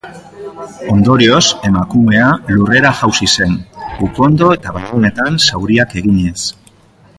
Ondorioz, emakumea lurrera jausi zen ukondo eta belaunetan zauriak eginez.